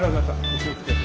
お気をつけて。